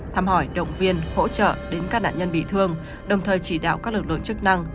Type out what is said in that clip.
thăm hỏi động viên hỗ trợ đến các nạn nhân bị thương đồng thời chỉ đạo các lực lượng chức năng